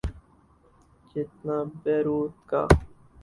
جتنا بیروت کا۔